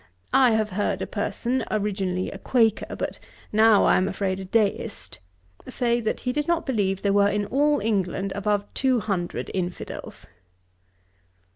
I have heard a person, originally a Quaker, but now, I am afraid, a Deist, say, that he did not believe there were, in all England, above two hundred infidels.'